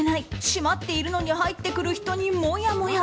閉まっているのに入ってくる人にもやもや。